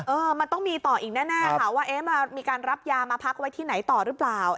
เออมันต้องมีต่ออีกแน่ค่ะว่าเอ๊ะมันมีการรับยามาพักไว้ที่ไหนต่อหรือเปล่า